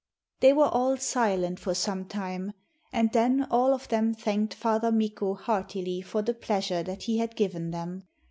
They were all silent for some time, and then all of them thanked Father Mikko heartily for the pleasure that he had given them.